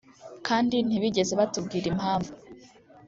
kandi ntibigeze batubwira impamvu